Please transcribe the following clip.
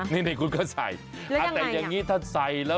นี่คุณก็ใส่นะแล้วยังไงล่ะ